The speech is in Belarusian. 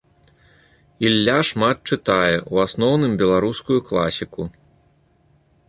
Ілля шмат чытае, у асноўным беларускую класіку.